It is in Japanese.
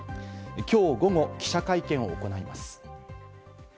きょう午後、記者会見を行います。